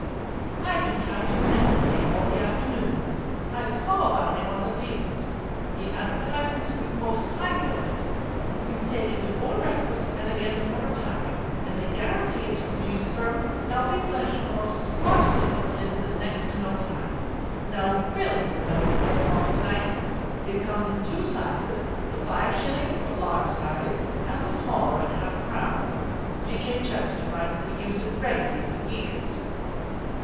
"I've been trying to remember the name all the afternoon. I saw about it in one of the papers. The advertisements speak most highly of it. You take it before breakfast and again before retiring, and they guarantee it to produce firm, healthy flesh on the most sparsely covered limbs in next to no time. Now, will you remember to get a bottle tonight? It comes in two sizes, the five shilling (or large size) and the smaller at half a crown. G. K. Chesterton writes that he used it regularly for years."